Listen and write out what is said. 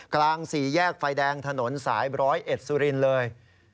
กรางสีแยกไฟแดงถนนสายร้อยเอ็ดสุรินเลย